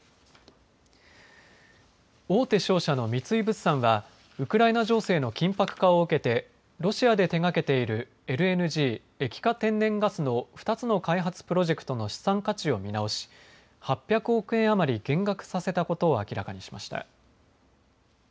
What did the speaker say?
大手商社の三井物産はウクライナ情勢の緊迫化を受けてロシアでてがけているＬＮＧ液化天然ガスの２つの開発プロジェクトの資産価値を見直し８００億円余り減額させたことを明らかにしました。